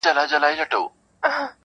په کوټه کي یې وهلې خرچیلکي-